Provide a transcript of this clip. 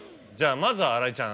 まず新井ちゃん。